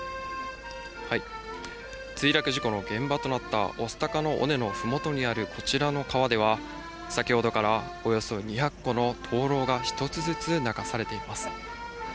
墜落事故の現場となった御巣鷹の尾根のふもとにあるこちらの川では、先ほどからおよそ２００個の灯籠が一つずつ流されています。